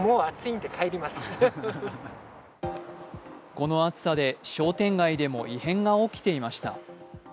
この暑さで商店街でも異変が起きていました。